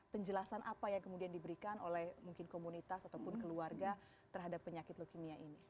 penjelasan apa yang kemudian diberikan oleh mungkin komunitas ataupun keluarga terhadap penyakit leukemia ini